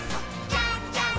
じゃんじゃん！